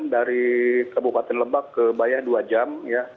dari kabupaten lebak ke bayah dua jam